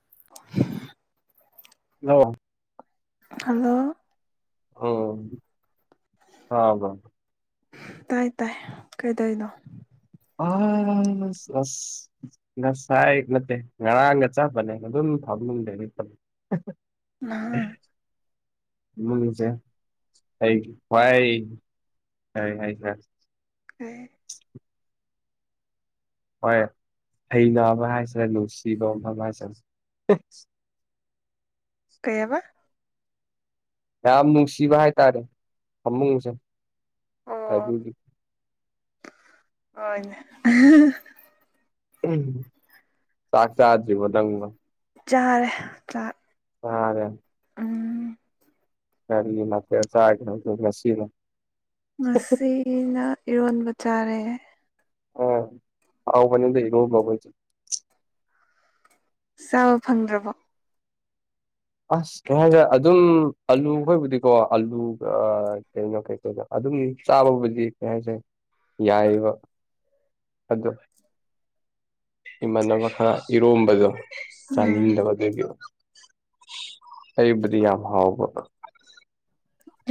[unintelligible] ꯂꯣ hello ꯑꯝ ꯇꯥꯕ꯭ꯔꯣ ꯇꯥꯏ ꯇꯥꯏ ꯀꯩꯗꯣꯏꯅꯣ ꯑꯥ ꯑꯁ ꯑꯁ ꯉꯁꯥꯏ ꯅꯠꯇꯦ ꯉꯔꯥꯡꯒ ꯆꯥꯞ ꯃꯥꯟꯅꯩ ꯑꯗꯨꯝ ꯐꯝ ꯏꯃꯨꯡꯗꯒꯤ ꯇꯧ ꯑ ꯅꯥꯍ ꯏꯃꯨꯡꯖꯦ ꯑꯩ ꯈ꯭ꯋꯥꯏ ꯀꯩꯍꯥꯏꯇ ꯎꯝ ꯍꯣꯏ ꯍꯩꯅꯕ ꯍꯥꯏꯁꯦ ꯅꯨꯡꯁꯤꯕ ꯃꯐꯝ ꯍꯥꯏꯁꯦ ꯑꯦ ꯀꯩꯑꯕ ꯌꯥꯝ ꯅꯨꯡꯁꯤꯕ ꯍꯥꯏꯇꯥꯔꯦ ꯐꯃꯨꯡꯁꯦ ꯑꯗꯨꯒꯤ ꯑꯣꯏꯅꯦ ꯎꯍꯨꯝ ꯎꯝ ꯆꯥꯛ ꯆꯥꯗ꯭ꯔꯤꯕꯣ ꯅꯪꯕꯣ ꯆꯥꯔꯦ ꯆꯥꯛ ꯋꯥꯔꯦ ꯎꯝ ꯀꯔꯤ ꯃꯊꯦꯜ ꯆꯥꯒꯤꯅꯣꯗꯣ ꯉꯁꯤꯅ ꯉꯁꯤꯅ ꯏꯔꯣꯟꯕ ꯆꯥꯔꯦ ꯑ ꯍꯥꯎꯕꯅꯤꯗ ꯏꯔꯣꯟꯕꯍꯣꯏꯖꯨ ꯆꯥꯕ ꯐꯪꯗ꯭ꯔꯕꯣ ꯑꯁ ꯀꯩ ꯍꯥꯏꯒꯦ ꯑꯗꯨꯝ ꯑꯥꯂꯨꯈꯣꯏꯕꯨꯗꯤꯀꯣ ꯑꯂꯨ ꯑ ꯀꯩꯅꯣ ꯀꯩ ꯀꯩꯩꯅꯣ ꯑꯗꯨꯝ ꯆꯥꯕꯕꯨꯗꯤ ꯀꯩ ꯍꯥꯏꯁꯦ ꯌꯥꯏꯌꯦꯕ ꯑꯗꯣ ꯏꯃꯥꯟꯅꯕ ꯈꯔ ꯏꯔꯣꯝꯕꯗꯣ ꯎꯝ ꯆꯥꯅꯤꯡꯗꯕꯗꯨꯒꯤ ꯑꯩꯕꯨꯗꯤ ꯌꯥꯝ ꯍꯥꯎꯕ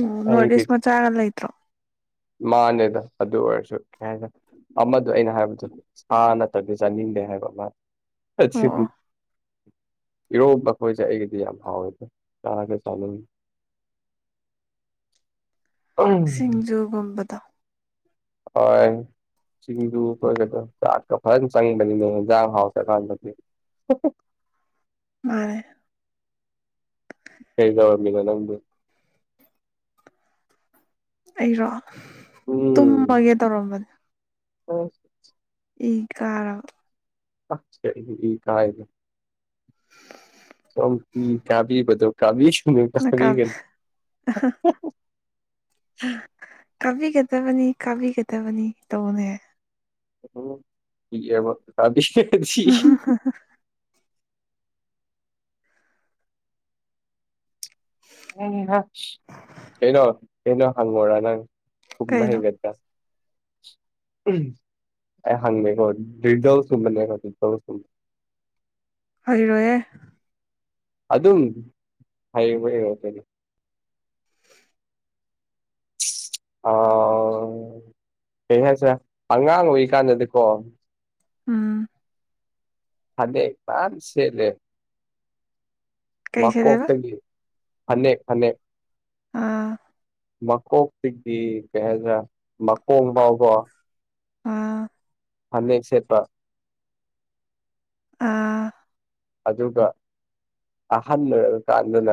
ꯎꯝ ꯅꯣꯔ꯭ꯗ ꯏꯁ ꯑꯩꯒꯤꯗꯤ ꯃꯆꯥꯒ ꯂꯩꯇ꯭ꯔꯣ ꯃꯥꯅꯦꯗ ꯑꯗꯨ ꯑꯣꯏꯔꯁꯨ ꯀꯩ ꯍꯥꯏꯗ ꯑꯃꯗꯣ ꯑꯩꯅ ꯍꯥꯏꯕꯗꯣ ꯁꯥ ꯅꯠꯇꯗꯤ ꯆꯥꯅꯤꯡꯗꯦ ꯍꯥꯏꯕ ꯃ ꯑꯣ ꯑꯁꯤꯒꯤ ꯑꯣ ꯏꯔꯣꯝꯕ ꯈꯣꯏꯁꯦ ꯑꯩꯒꯤꯗꯤ ꯌꯥꯝ ꯍꯥꯎꯋꯦꯗ ꯆꯥꯔꯒ ꯆꯥꯅꯤꯡꯉꯤ [inaudible] ꯁꯤꯡꯖꯨꯒꯨꯝꯕꯗꯣ ꯑꯣꯏ ꯁꯤꯡꯖꯨꯈꯣꯏꯒꯗꯣ ꯆꯥꯛꯀ ꯐꯟ ꯆꯪꯕꯅꯤꯅꯦ ꯏꯟꯖꯥꯡ ꯍꯥꯎꯇꯔꯀꯥꯟꯗꯗꯤ [unintelligible] ꯃꯥꯅꯦ ꯀꯩꯗꯧꯔꯝꯃꯤꯅꯣ ꯅꯪꯗꯤ ꯑꯩꯔꯣ ꯇꯨꯝꯃꯒꯦ ꯇꯧꯔꯝꯕꯅꯦ ꯑꯁ ꯏ ꯀꯥꯔꯕ ꯑ ꯀꯩꯒꯤ ꯏꯀꯥꯏꯗꯤ ꯁꯣꯝ ꯏ ꯀꯥꯕꯤꯕꯗꯣ ꯀꯥꯕꯤ ꯅꯀꯥꯎ ꯑꯍ ꯍ ꯀꯥꯕꯤꯒꯗꯕꯅꯤ ꯀꯥꯕꯤꯒꯗꯕꯅꯤ ꯇꯧꯅꯦ ꯏꯑꯦꯕ ꯀꯕꯤꯒꯦ ꯎꯝ ꯍꯝ [unintelligible] ꯀꯩꯅꯣ ꯀꯩꯅꯣ ꯍꯪꯉꯣꯔ ꯅꯪ ꯈꯨꯝꯕ ꯀꯩꯅꯣ ꯍꯩꯒꯗꯔ ꯑꯩ ꯍꯪꯉꯦꯀꯣ ꯅꯤꯗꯜꯁꯒꯨꯝꯕꯅꯦꯕ ꯅꯤꯗꯜꯁꯒꯨꯝ ꯍꯩꯔꯣꯌꯦ ꯑꯗꯨꯝ ꯍꯩꯔꯕꯣ ꯌꯦꯡꯉꯛꯇꯣꯏꯅꯤ ꯑ ꯀꯩ ꯍꯥꯏꯁꯦ ꯑꯉꯥꯡ ꯑꯣꯏꯏꯀꯥꯟꯗꯗꯤꯀꯣ ꯑꯝ ꯑꯗꯃꯝ ꯁꯦ ꯂꯩꯦ ꯀꯩ ꯁꯦꯠꯂꯦꯕ ꯃꯀꯣꯛꯇꯒꯤ ꯐꯅꯦꯛ ꯐꯅꯦꯛ ꯑꯥ ꯃꯀꯣꯛꯇꯒꯤ ꯀꯩ ꯍꯥꯏꯗ꯭ꯔꯦ ꯃꯀꯣꯡ ꯐꯥꯎꯕ ꯑꯥ ꯍꯟꯅꯦꯛ ꯁꯦꯄ ꯑꯥ ꯑꯗꯨꯒ ꯑꯍꯜ ꯑꯣꯏꯔꯕ ꯀꯥꯟꯗꯅ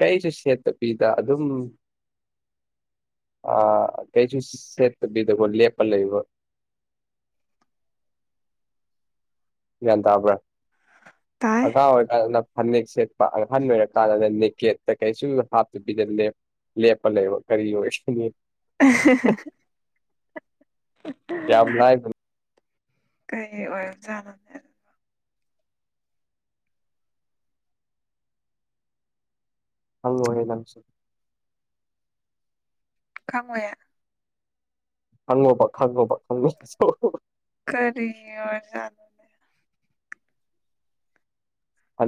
ꯀꯩꯁꯨ ꯁꯦꯠꯇꯕꯤꯤꯗ ꯑꯗꯨꯝ ꯑꯥ ꯀꯩ ꯆꯨ ꯁꯦꯗ ꯂꯦꯄ ꯂꯩꯕ [unintelligible] ꯒ꯭ꯌꯥꯟ ꯇꯥꯕ꯭ꯔꯥ ꯇꯥꯏ ꯑꯀꯥ ꯑꯣꯏ ꯐꯅꯦꯛ ꯁꯦꯠꯄ ꯑꯍꯟ ꯑꯣꯏꯔꯀꯥꯟꯗ ꯅꯦꯛꯀꯦꯠꯇ ꯀꯩꯁꯨ ꯍꯥꯞꯇꯨꯕꯤꯗ ꯂꯦ ꯂꯦꯄ ꯂꯩꯦꯕ ꯀꯔꯤꯑꯣ ꯌꯥꯝ ꯂꯥꯏꯕꯅꯤ [unintelligible] ꯀꯩ ꯑꯣꯏꯖꯅꯅꯦ ꯑꯜ ꯀꯉꯌꯥ ꯍꯪꯉꯣ ꯄ ꯈꯪꯉ ꯄꯪ ꯈꯔꯤ ꯑꯣꯏꯔ ꯆꯂꯅꯦ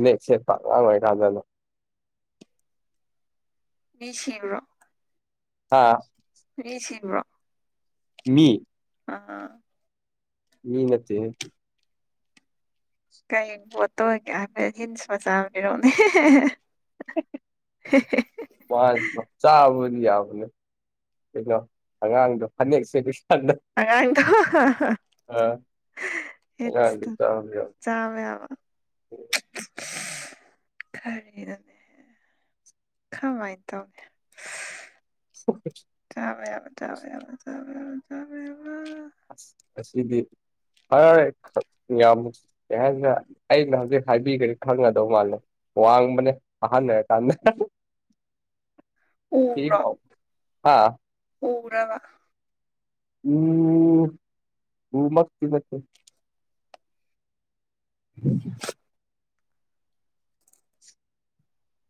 ꯗꯁꯦꯠ ꯄꯉꯥꯏ ꯀꯥꯟꯗꯅꯣ ꯃꯤꯁꯤ꯭ꯔ ꯑꯥ ꯃꯤ ꯑꯥ ꯃꯤꯅꯠꯇꯦ ꯀꯩ ꯄꯣꯠꯇꯒ ꯍꯤꯟꯁ ꯃ ꯆꯥꯅꯤꯔꯣꯅꯤ ꯍꯁ ꯃ ꯆꯥ ꯑꯗꯨ ꯌꯥꯎꯕꯅꯦ ꯀꯩꯅꯣ ꯑꯉꯥꯡꯗꯣ ꯐꯅꯦꯛꯁꯦ ꯑꯉꯥꯡ ꯑ ꯑꯉꯥꯡꯗꯤ ꯍꯇ ꯆꯥꯕ ꯆꯃꯦꯦ ꯌꯥꯕ ꯈꯔꯤ ꯈꯃꯥꯏ ꯇꯅꯦ ꯁꯀ ꯆꯕ ꯌꯥꯕ ꯆꯕ ꯌꯥ ꯆꯕ ꯌꯥ ꯆꯕ ꯌꯥ ꯑꯁꯤꯁꯤꯗꯤ ꯐꯔꯦ ꯌꯥꯝ ꯀꯩ ꯍꯥꯏ ꯑꯩꯅ ꯍꯧꯖꯤꯛ ꯍꯥꯏꯕꯤꯈꯅꯤ ꯈꯪꯒꯗꯧ ꯃꯥꯜꯂꯦ ꯋꯥꯡ ꯃꯅꯦ ꯑꯍꯅ ꯇꯥꯟꯅ ꯎꯔꯥ ꯑꯥ ꯄꯨꯔꯕ ꯎꯝ ꯎ ꯃꯁ ꯅꯦ [unintelligible]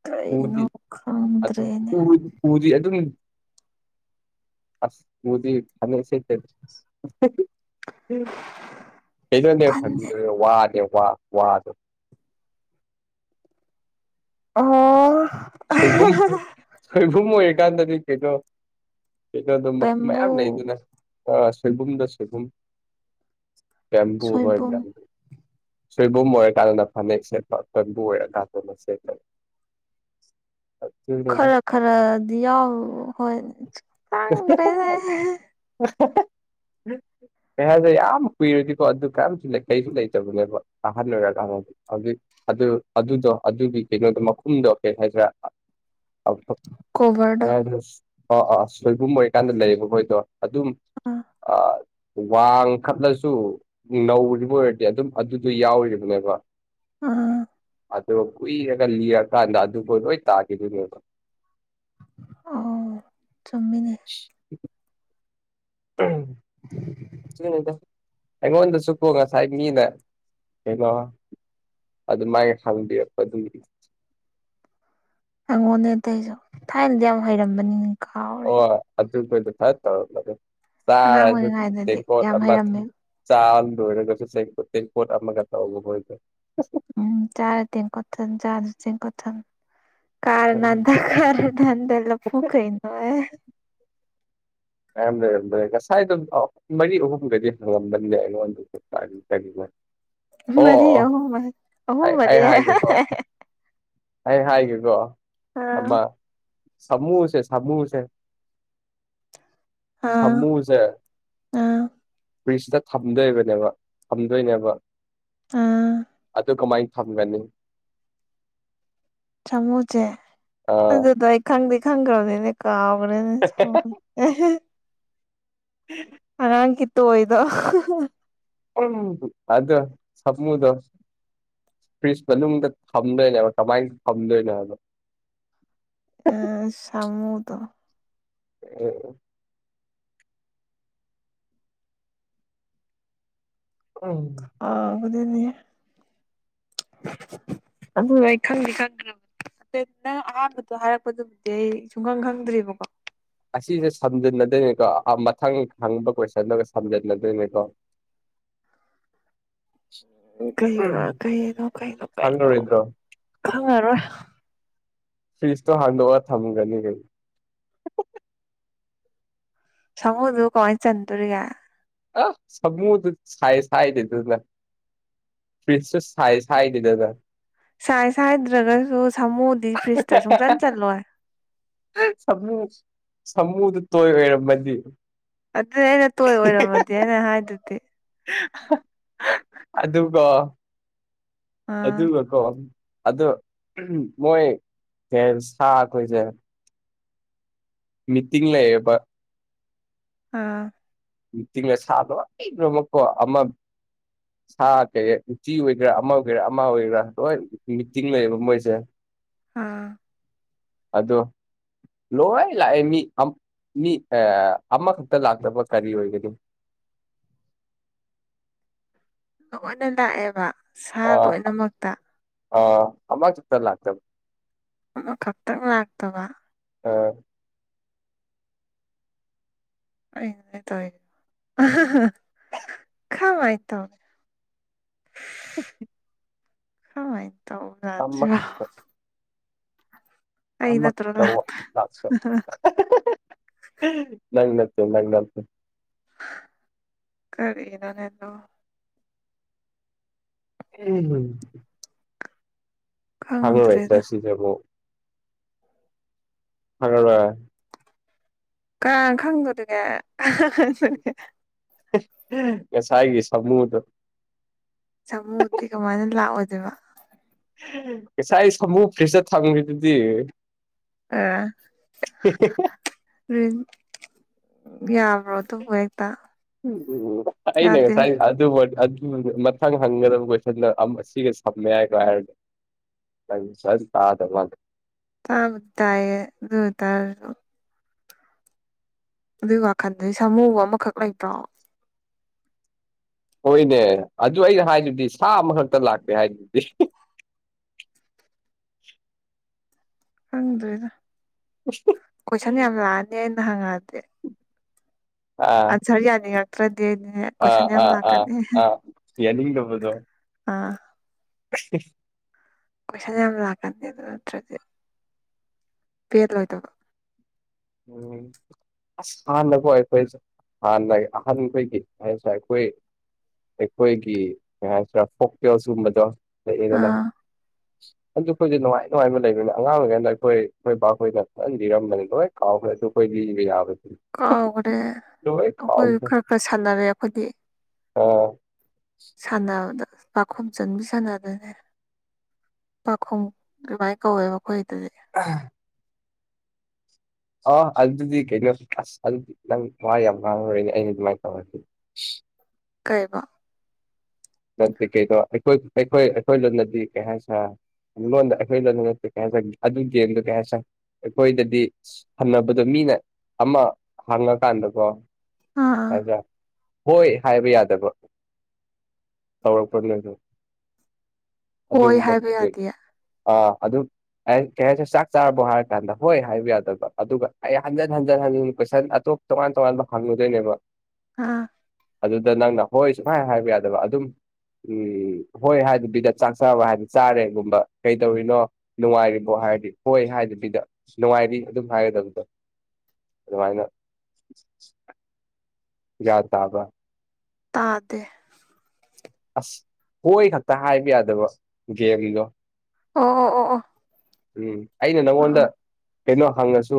ꯀꯩꯅꯣ ꯄꯗꯤ ꯈꯪꯗ꯭ꯔꯦꯅꯦ ꯄꯖꯤ ꯑꯗꯨ ꯑꯗꯨꯝ ꯑꯁ ꯃꯗꯤ ꯍꯁꯦ ꯀꯩꯗꯅꯦ ꯐ ꯈꯟꯗꯦ ꯋꯥꯅꯦ ꯋꯥ ꯋꯥꯗ ꯑꯣ ꯈꯣꯏꯕꯨꯝ ꯑꯣꯏꯔꯤꯀꯥꯟꯗꯗꯤ ꯀꯩꯅꯣ ꯀꯩꯅꯣ ꯑꯗꯨꯝ ꯕꯦꯝꯕꯨ ꯃꯌꯥꯝ ꯂꯩ ꯑꯗꯨꯅ ꯑ ꯁꯤꯜꯚꯨꯝꯗ ꯁꯤꯜꯚ ꯦꯝꯄꯕꯨ ꯁꯣꯏꯕꯨꯝ ꯍꯣꯏ ꯦꯝ ꯁꯣꯏꯕꯨꯝ ꯑꯣꯏꯔꯀꯥꯟꯗꯅ ꯐꯅꯦꯛ ꯁꯦꯠꯄ ꯑꯀꯟꯕꯨ ꯑꯣꯏꯔꯀꯥꯟꯗꯅ ꯁꯦꯠꯂꯅꯤ ꯈꯔ ꯈꯔꯗꯤ ꯌꯥꯎ ꯍꯣꯏ ꯆꯥꯡꯗ꯭ꯔꯦꯅꯦ ꯎꯝ ꯀꯩ ꯍꯥꯏꯁꯦ ꯌꯥꯝ ꯀꯨꯏꯔꯗꯤꯀꯣ ꯑꯗꯨ ꯀꯝꯁꯨ ꯀꯩꯁꯨ ꯂꯩꯇꯕꯅꯦꯕ ꯑꯍꯜ ꯑꯣꯏꯔꯀꯥꯟꯗꯗꯤ ꯍꯧꯖꯤꯛ ꯑꯗꯨ ꯑꯗꯨꯗꯣ ꯑꯗꯨꯒꯤ ꯀꯩꯅꯣꯗꯣ ꯃꯈꯨꯝꯗꯣ ꯀꯩ ꯍꯥꯏꯗ꯭ꯔꯥ ꯀꯣꯚꯔꯗ ꯑꯥ ꯑꯥ ꯁꯣꯏꯕꯨꯝ ꯑꯣꯏꯔꯀꯥꯟꯗ ꯂꯩꯌꯦꯕ ꯃꯣꯏꯗꯣ ꯑꯗꯨꯝ ꯑ ꯋꯥꯡꯈꯠꯂꯁꯨ ꯅꯧꯔꯤꯕ ꯑꯣꯏꯔꯗꯤ ꯑꯗꯨꯝ ꯑꯗꯨꯗꯣ ꯌꯥꯎꯔꯤꯕꯅꯦꯕ ꯑ ꯑꯣ ꯀꯨꯏꯔꯒ ꯂꯤꯔꯀꯥꯟꯗ ꯑꯗꯨꯕꯨ ꯂꯣꯏ ꯇꯥꯈꯤꯗꯨꯣꯏꯅꯦꯕ ꯑ ꯆꯨꯝꯃꯤꯅꯦ ꯎꯝ ꯑꯩꯉꯣꯟꯗꯁꯨꯀꯣ ꯉꯁꯥꯏ ꯃꯤꯅ ꯀꯩꯅꯣ ꯑꯗꯨ ꯃꯥꯏ ꯍꯪꯕꯤꯔꯛꯄꯗꯨꯒꯤ ꯑꯩꯪꯉꯣꯟꯅꯦ ꯑꯇꯩꯁꯨ ꯊꯥꯏꯅꯗꯤ ꯌꯥꯝꯨꯛ ꯍꯩꯔꯝꯕꯅꯤꯅꯦ ꯀꯥꯎꯔꯦ ꯑꯣ ꯑꯄ ꯊꯥꯏ ꯑꯉꯥꯡ ꯇꯥꯔ ꯆꯥ ꯑꯣꯏꯔꯤꯉꯩꯗꯗꯤ ꯌꯥꯝ ꯗꯀ ꯍꯩꯔꯝꯃꯦꯕ ꯆꯥꯜ ꯂꯣꯏꯔꯁ ꯇꯩ ꯀꯠ ꯑꯃ ꯑꯦꯗ ꯎꯝ ꯆꯥ ꯇꯤꯟ ꯀꯊꯦꯜ ꯆꯥ ꯑꯗꯨ ꯇꯤꯟ ꯀꯊꯦꯜ ꯀꯥꯅꯥꯙ ꯀ ꯗꯦꯂ ꯐꯨꯀꯩꯅ ꯉꯔ ꯂꯩꯔꯝꯗ꯭ꯔꯦ ꯉꯁꯥꯏꯗꯣ ꯃꯔꯤ ꯑꯍꯨꯝꯒꯗꯤ ꯍꯪꯂꯝꯕꯅꯤꯗ ꯑꯩꯉꯣꯟꯗ ꯀ ꯃꯔꯤ ꯑꯍ ꯑ ꯑꯩ ꯃꯔꯤ ꯑꯩ ꯍꯥꯏ ꯍꯥꯏꯒꯦꯀꯣ ꯑꯩ ꯍꯥꯏꯒꯦꯀꯣ ꯑꯥ ꯁꯨꯁꯦ ꯁꯨꯁꯦ ꯑꯥ ꯁꯃꯨꯁꯦ ꯑꯥ ꯐ꯭ꯔꯤꯁꯤꯗ ꯊꯝꯗꯣꯏꯕꯅꯦꯕ ꯊꯝꯗꯣꯏꯅꯦꯕ ꯑꯥ ꯀꯃꯥꯏ ꯊ ꯃꯦꯅꯤ ꯁꯥꯃꯨꯁꯦ ꯑꯗꯨꯗ ꯑꯩ ꯈꯪꯗꯦ ꯈꯪꯈ꯭ꯔꯕꯅꯤꯅꯦ ꯀꯥꯎ [unintelligible] ꯎꯝ ꯍꯔꯥꯡ ꯀꯤꯠꯇ ꯍꯣꯏꯗꯣ ꯎ ꯑꯗ ꯁꯃꯨꯗꯣ ꯐ꯭ꯔꯤꯁ ꯃꯅꯨꯡꯗ ꯊꯝꯗꯣꯏꯅꯦꯣꯕ ꯀꯃꯥꯏꯅ ꯊꯝꯗꯣꯏꯅꯣꯕ ꯑ ꯁꯃꯨꯗ ꯎ ꯎꯝ ꯑꯗꯨꯅꯦ ꯑꯗꯨ ꯑꯩ ꯈꯪꯗꯤꯦ ꯈꯪꯗ꯭ꯔꯕ ꯑꯦ ꯅꯪ ꯑꯍꯥꯟꯕꯗ ꯍꯥꯏꯔꯛꯄꯗꯨꯕꯨꯗꯤ ꯑꯩ ꯁꯨꯡꯈꯪ ꯈꯪꯗ꯭ꯔꯤꯕꯀꯣ ꯑꯁꯤꯁꯦ ꯁꯝꯖꯤꯟꯅꯗꯣꯏꯅꯤꯀꯣ ꯃꯊꯪ ꯍꯪꯕ ꯀꯣꯏꯁꯟꯗꯨꯒ ꯁꯝꯖꯤꯟꯅꯗꯣꯏꯅꯤꯀꯣ [unintelligible] ꯎ ꯀꯩꯅꯅꯣ ꯀꯩꯅꯣ ꯀꯩꯅꯣ ꯀꯩꯅꯣ ꯈꯪꯉꯔꯣꯏꯗ꯭ꯔꯣ ꯈꯪꯉꯔꯣꯏ ꯐꯤꯁꯇ ꯍꯥꯟꯗꯣꯋꯥꯔ ꯊꯃꯒꯅꯤ ꯀꯩ ꯁꯃꯣꯗꯨ ꯀꯣꯏꯁ ꯇꯔꯤꯒ ꯑ ꯁꯃꯨ ꯊ ꯁ ꯁꯥꯏ ꯂ ꯐꯔꯤꯁꯁꯨ ꯁꯥꯏꯁ ꯍꯥꯏꯗꯦꯗꯅ ꯁꯥꯏꯁ ꯍꯥꯏꯗ꯭ꯔꯒꯁꯨ ꯁꯥꯃꯨꯗꯤ ꯐ꯭ꯔꯤꯖꯇ ꯁꯨꯡꯆꯟ ꯆꯜꯂꯣꯏ ꯁꯃꯨ ꯁꯃꯨꯗꯨ ꯇꯣꯏ ꯑꯣꯏꯔꯝꯃꯗꯤ ꯑꯗꯨꯗꯤ ꯑꯩꯅ ꯇꯣꯏ ꯑꯣꯏꯔꯝꯃꯗꯤ ꯑꯩꯅ ꯍꯥꯏꯗꯨꯗꯤ ꯑꯗꯨꯒ ꯑꯥ ꯑꯗꯨꯒꯀꯣ ꯑꯗꯨ ꯃꯣꯏ [inaudible] ꯁꯥ ꯑꯩꯈꫭꯏꯁꯦ ꯃꯤꯇꯤꯡ ꯂꯩꯌꯦꯕ ꯑꯥ ꯃꯤꯡꯇꯤꯡꯗ ꯃꯁꯥ ꯂꯣꯏꯅꯃꯛꯀꯣ ꯑꯃ ꯁꯥ ꯀꯩ ꯎꯆꯤ ꯑꯣꯏꯒꯦꯔꯥ ꯑꯃ ꯑꯣꯏꯒꯦꯔꯥ ꯑꯃ ꯑꯣꯏꯒꯦꯔꯥ ꯂꯣꯏ ꯃꯤꯇꯤꯡ ꯂꯩꯩꯌꯦꯕ ꯃꯣꯏꯁꯦ ꯑꯥ ꯑꯗꯣ ꯂꯣꯏ ꯂꯥꯛꯑꯦ ꯃꯤ ꯑꯝ ꯃꯤ ꯑꯦ ꯑꯃꯈꯛꯇ ꯂꯥꯛꯇꯕ ꯀꯔꯤ ꯑꯣꯏꯒꯅꯤ ꯂꯣꯏꯅ ꯂꯥꯛꯑꯦꯕ ꯁꯥ ꯑ ꯂꯣꯏꯅꯃꯛꯇ ꯑ ꯑꯃꯥ ꯈꯛꯇ ꯂꯥꯛꯇꯕ ꯑꯃ ꯈꯛꯇꯪ ꯂꯥꯛꯇꯕ ꯑꯥ ꯀꯩꯅꫭꯅꯦ ꯇꯧꯏꯁꯤꯕꫭ ꯈꯃꯥꯏ ꯇꯧꯅꯤ [inaudible] ꯈꯃꯥꯏ ꯇꯧ ꯅ ꯑꯃꯈꯛꯇ [unintelligible] ꯑꯃ ꯇꯧꯕ ꯂꯥꯛꯇ [inaudible] ꯅꯪꯅ [unintelligible] ꯀꯔꯤ ꯅꫭꯅꯦꯅꯣ ꯎꯝ ꯍꯨꯝ ꯍꯥꯡꯍꯜ ꯈꯪꯗ꯭ꯔꯦꯗ ꯂꯛꯇ꯭ꯔ ꯁꯤꯗꯕꯨ ꯈꯪꯉꯕ ꯀꯅꯥꯅ ꯈꯪꯗꫭꯔꯤꯒꯦ ꯑꯥ ꯑꯗꯨꯒ ꯉꯁꯥꯏꯒꯤ ꯁꯃꯨꯗꫭ ꯁꯃꯨꯗꯤ ꯀꯃꯥꯏꯅ ꯂꯥꯛꯑꯣꯗꫭꯏꯕ ꯉꯁꯥꯏ ꯁꯃꯨ ꯐ꯭ꯔꯤꯁꯇ ꯊꯝꯈꯤꯗꯨꯗꯤ ꯑꯥ ꯌꯥꯝ ꯑꯩꯅ ꯌꯥꯗꯦ ꯉꯁꯥꯏ ꯑꯗꯨ ꯑꯗꯨꯒ ꯃꯊꯪ ꯍꯪꯒꯗꯕ ꯀꯣꯏꯁꯟꯗ ꯑꯁꯤꯒ ꯁꯝꯃꯦ ꯍꯥꯏꯔꯒ ꯍꯥꯏꯔꯒ ꯅꯪ ꯐꯖꯅ ꯇꯥꯗ ꯃꯥꯜꯂꯦ ꯇꯥꯕꯨꯗꯤ ꯇꯥꯏꯌꯦ ꯑꯗꯨ ꯑꫭꯏ ꯇꯥꯔꯁꯨ ꯑꯗꯨꯏ ꯋꯥꯈꯟꯗꯗꯤ ꯁꯥꯃꯨꯕꯨ ꯑꯃꯈꯛ ꯂꯩꯕ꯭ꯔꯣ ꯍꯣꯏꯅꯦ ꯑꯗꯨ ꯑꯩꯅ ꯍꯥꯏꯗꯨꯗꯤ ꯁꯥ ꯑꯃꯈꯛꯇ ꯂꯥꯛꯇꯦ ꯍꯥꯏꯗꯨꯗꯤ [inaudible] ꯈꯪꯗ꯭ꯔꯦꯗ ꯀꯣꯏꯁꯟ ꯌꯥꯝ ꯂꯥꯛꯑꯅꯤ ꯑꯩꯅ ꯍꯪꯉꯛꯑꯗꯤ ꯑꯥ ꯑꯟꯁꯔ ꯌꯥꯅꯤꯡꯉꯛ ꯗꯦꯅꯦ ꯑꯥ ꯀꯣꯏꯁꯟ ꯌꯥꯝ ꯑꯥ ꯑꯥ ꯂꯥꯛꯀꯅꯤ ꯑꯥ ꯌꯥꯅꯤꯡꯗꯕꯗꯣ ꯑꯥ [inaudible] ꯀꫭꯏꯁꯟ ꯌꯥꯝ ꯂꯥꯛꯀꯅꯤ ꯑꯗꯨ ꯅꯠꯇ꯭ꯔꯗꯤ ꯄꯦꯜꯂꯣꯏ ꯗꯕ ꯎꯝ ꯑꯁ ꯑꯍꯥꯟꯅꯀꯣ ꯑꯩꯈꯣꯏꯁꯦ ꯍꯥꯟꯅ ꯑꯍꯥꯟꯕꯒꯤ ꯍꯥꯏꯁꯦ ꯑꯩꯈꯣꯏ ꯑꯩꯈꯣꯏꯒꯤ ꯀꯩ ꯍꯥꯏꯁꯤꯔꯥ ꯐꯣꯛꯇꯦꯡꯜꯁ ꯁꯤꯒꯨꯝꯕꯗꯣ ꯂꯩꯑꯦꯗꯅ ꯑꯥ ꯑꯗꯨ ꯑꯩꯈꯣꯏꯁꯨ ꯅꯨꯡꯉꯥꯏ ꯅꯨꯡꯉꯥꯏꯕ ꯂꯩꯕꯅꯤ ꯑꯉꯥꯡ ꯑꫭꯏꯀꯥꯟꯗ ꯑꯩꯈꯣꯏ ꯑꯩꯈꯣꯏ ꯕꯥꯈꯣꯏꯅ ꯐꯟ ꯂꯤꯔꯝꯕꯅꯤ ꯂꯣꯏ ꯐꯥꯎꯣꯏꯁꯨ ꯀꯩ ꯂꯤ ꯀꯥꯎꯈ꯭ꯔꯦ ꯑꯩꯈꯣꯏ ꯀꯥꯎꯈ꯭ꯔꯦ ꯈꯔ ꯈꯔ ꯁꯥꯟꯅꯔꯦ ꯑꯩꯈꯣꯏꯗꯤ ꯑꯥ ꯁꯥꯟꯗ ꯑꯣꯗ ꯄꯥꯈꯨꯝ ꯆꯟꯕꯤꯁꯅꯗꯅꯦ ꯄꯥꯈꯨꯝ ꯀꯃꯥꯏꯅ ꯀꯧꯋꯦ ꯃꯈꯣꯏꯗꯗꯤ ꯑ ꯑꯥ ꯑꯗꯨꯗꯤ ꯀꯩꯅꯣ ꯑꯁ ꯑꯗꯨꯗꯤ ꯅꯪ ꯋꯥ ꯌꯥꯝ ꯉꯥꯡꯉꯨꯔꯣꯏꯅꯦ ꯑꯩꯅ ꯑꯗꯨꯃꯥꯏꯅ ꯇꯧꯔꯗꯤ ꯀꯩꯏꯕ ꯇꯠꯇ‌ꯦ ꯀꯩꯗꯣ ꯑꯩꯏ ꯑꯩꯈꯣꯏ ꯑꯩꯈꯣꯏ ꯂꯣꯗꯗꯤ ꯀꯩ ꯍꯥꯏ ꯁꯔꯥ ꯣꯈꯗꯅ ꯀꯌꯥꯁ ꯑꯗꯨꯗꯦ ꯀꯌꯥꯁ [unintelligible] ꯑꯩꯈꯣꯏꯗꯗꯤ ꯍꯟꯅꯕꯗꯣ ꯃꯤꯅ ꯑꯃ ꯍꯥꯡꯉꯀꯥꯟꯗꯀꯣ ꯑꯥ ꯑꯥ ꯑꯗꯥ ꯍꯣꯏ ꯍꯥꯏꯕ ꯌꯥꯗꯕ ꯇꯧꯔꯛꯄꯗꯨ ꯍꯣꯏ ꯑꯗꯨꯒꯨꯝꯕ ꯍꯥꯏꯕ ꯌꯥꯗꯦ ꯑꯥ ꯑꯗꯨ ꯑꯩ ꯀꯩ ꯍꯥꯏꯁꯨ ꯆꯥꯛ ꯆꯥꯔꯕꯣ ꯍꯥꯏꯔ ꯀꯥꯟꯗ ꯍꯣꯏ ꯍꯥꯏꯕ ꯌꯥꯗꯕ ꯑꯗꯨꯒ ꯑꯩ ꯍꯟꯖꯤꯟ ꯍꯟꯖꯤꯟ ꯍꯟꯖꯤꯟ ꯀꯣꯏꯁꯟ ꯑꯇꫭꯞ ꯇꯉꯥꯟ ꯇꯣꯉꯟꯕ ꯍꯪꯉꯨꯗꯣꯏꯅꯦꯕ ꯑꯥ ꯑꯗꯨꯗ ꯅꯪꯅ ꯍꯣꯏ ꯁꯨꯡꯍꯥꯏ ꯍꯥꯏꯕ ꯌꯥꯗꯕ ꯑꯗꯨꯝ ꯎꯝ ꯍꯣꯏ ꯍꯥꯏꯗꯤ ꯕꯤꯗ ꯆꯥꯛ ꯆꯥꯕ ꯍꯥꯏꯗꯤ ꯆꯥꯔꯦꯒꯨꯝꯕ ꯀꯩꯗꯧꯔꯤꯅꯣ ꯅꯨꯡꯉꯥꯏꯔꯤ ꯍꯥꯏꯔꯗꯤ ꯍꯣꯏ ꯍꯥꯏꯗꯕꯤꯗ ꯅꯨꯡꯉꯥꯏꯔꯤ ꯑꯗꯨꯝ ꯍꯥꯏꯒꯗꯕꯗꯣ ꯑꯗꯨꯃꯥꯏꯅ ꯒ꯭ꯌꯥꯟ ꯇꯥꯕꯔꯥ ꯇꯥꯗ‌ꯦ ꯑꯁ ꯍꯣꯏ ꯈꯛꯇ ꯍꯥꯏꯕ ꯌꯥꯗꯕ ꯒꯦꯝꯗꯣ ꯑꫭ ꯑꫭ ꯑꫭ ꯑꫭ ꯎꯝ ꯑꯩꯅ ꯅꯪꯉꯣꯟꯗ ꯀꯩꯅꯣ ꯍꯪꯉꯁꯨ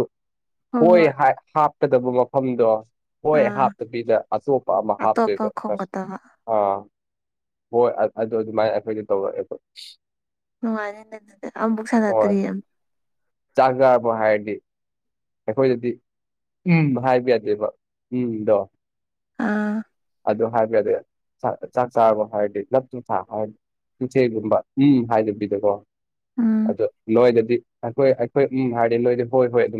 ꯍꯣꯏ ꯍꯥꯞ ꯍꯥꯞꯀꯗꯕ ꯃꯐꯝꯗꯣ ꯍꯣꯏ ꯑꯥ ꯍꯥꯞꯇꯕꯤꯗ ꯑꯇꫭꯞꯄ ꯑꯃ ꯑꯇꯣꯞꯄ ꯍꯥꯞꯇꯣꯏꯗꯁ ꯈꯣꯝꯒꯗꯕ ꯑꯥ ꯍꯣꯏ ꯑꯗꯨ ꯑꯗꯨꯃꯥꯏꯅ ꯑꯩꯈꯣꯏꯗꯤ ꯇꯧꯔꯛꯑꯦꯕ ꯅꯨꯡꯉꯥꯏꯅꯤ ꯑꯗꯨꯗꯤ ꯑꯃꯐꯨꯛ ꯍꯣꯏ ꯁꯥꯟꯅꯗ꯭ꯔꯤꯌꯦ ꯆꯥꯛ ꯆꯔꯕꫭ ꯍꯥꯏꯗꯤ ꯑꯩꯈꯣꯏꯗꯗꯤ ꯎꯝ ꯍꯥꯏꯕ ꯌꯥꯗꯦꯕ ꯎꯝꯗꯣ ꯑꯥ ꯑꯗꯨ ꯍꯥꯏꯕꯗ ꯆꯥꯛ ꯆꯥꯔꯕꫭ ꯍꯥꯏꯔꯗꯤ ꯂꯨꯞ [unintelligible] ꯊꯥ ꯍꯥꯏꯔꯗꯤ ꯏꯆꯦꯒꯨꯝꯕ ꯎꯝ ꯍꯥꯏꯗꯕꯤꯗꯀꯣ ꯎꯝ ꯑꯗꫭ ꯅꫭꯏꯗꯗꯤ ꯑꯩꯈꯣꯏ ꯑꯩꯈꯣꯏ ꯎꯝ ꯍꯥꯏꯔꯗꯤ ꯅꫭꯏꯗꯤ ꯍꯣꯏ ꯍꯣꯏ ꯑꯗꯨꯝ